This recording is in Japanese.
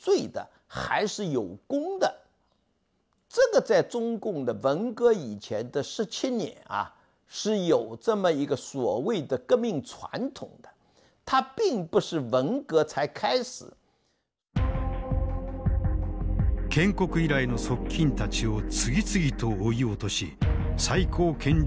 建国以来の側近たちを次々と追い落とし最高権力者の地位にとどまった毛沢東。